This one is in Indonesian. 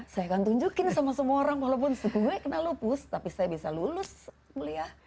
saya akan tunjukin sama semua orang walaupun saya kena lupus tapi saya bisa lulus kuliah